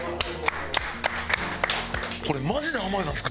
これマジで濱家さん作ったんですか？